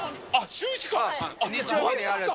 シューイチか！